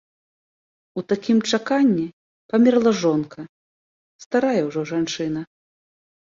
У такім чаканні памерла жонка, старая ўжо жанчына.